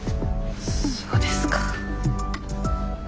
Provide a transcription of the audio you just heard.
そうですか。